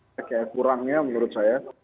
kayak kurangnya menurut saya